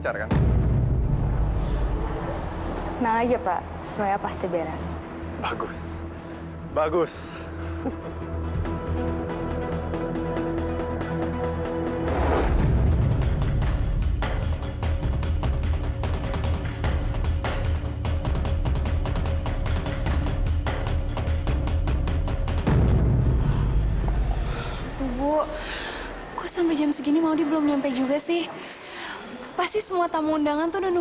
kita nggak mau ketinggalan melihat acara tristan yang akan berantakan